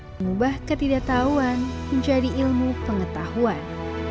mengubah ketidaktahuan menjadi ilmu pengetahuan